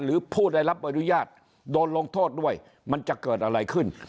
หรือผู้ได้รับอนุญาตโดนลงโทษด้วยมันจะเกิดอะไรขึ้น